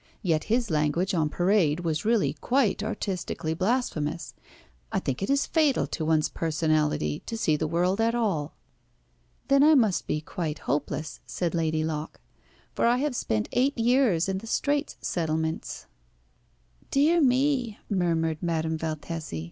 Yet his language on parade was really quite artistically blasphemous. I think it is fatal to one's personality to see the world at all." "Then I must be quite hopeless," said Lady Locke, "for I have spent eight years in the Straits Settlements." "Dear me!" murmured Madame Valtesi.